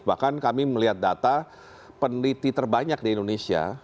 bahkan kami melihat data peneliti terbanyak di indonesia